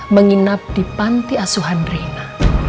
menginap di panti asuhan rina